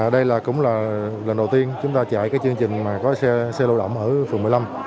đây cũng là lần đầu tiên chúng ta chạy cái chương trình mà có xe lưu động ở phường một mươi năm